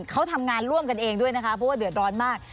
เขาทำงานร่วมกันเองด้วยนะคะเพราะว่าเดือดร้อนมาก